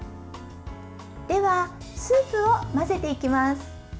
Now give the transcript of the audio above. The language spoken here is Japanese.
では、スープを混ぜていきます。